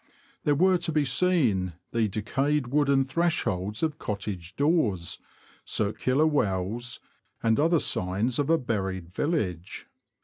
There were to be seen the decayed wooden thresholds of cottage doors, circular wells, and other signs of a buried village.